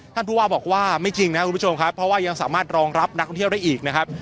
ท่านผู้ว่าบอกว่าไม่จริงนะครับคุณผู้ชมครับเพราะว่ายังสามารถรองรับนักท่องเที่ยวได้อีกนะครับ